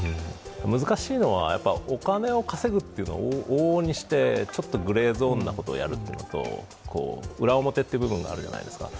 難しいのは、お金を稼ぐというのは往々にしてちょっとグレーゾーンなことをやるという部分と裏表のところがあるじゃないですか。